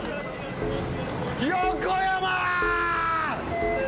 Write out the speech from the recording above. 横山！